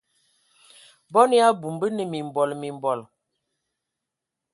Bɔn ya abum, bə nə mimbɔl mimbɔl.